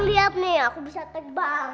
lihat nih aku bisa tebal